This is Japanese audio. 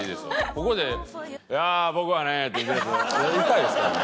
ここで「いやあ僕はね」って言いだしたらイタいですからね。